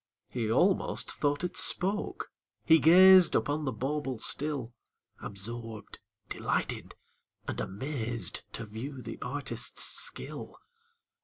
He almost thought it spoke: he gazed Upon the bauble still, Absorbed, delighted, and amazed, To view the artist's skill.